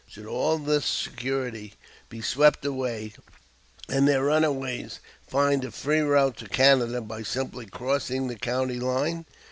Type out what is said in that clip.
Should all this security be swept away, and their runaways find a free route to Canada by simply crossing the county line?